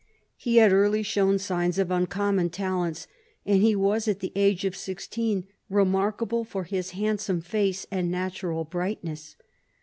He had early shown signs of uncommon talents, and he was at the age of sixteen remarkable for his hand some face and natural brightness.